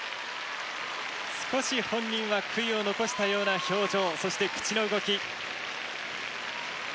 少し本人は悔いを残したような表情そして口の動き。